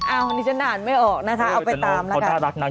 อันนี้ฉันอ่านไม่ออกนะคะเอาไปตามแล้วกัน